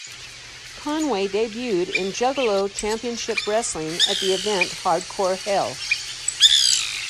Conway debuted in Juggalo Championship Wrestling at the event Hardcore Hell.